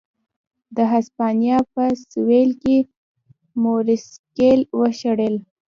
د هسپانیا په سوېل کې موریسکیان وشړل.